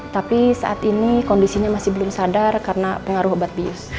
tapi saat ini kondisinya masih belum sadar karena pengaruh obat bius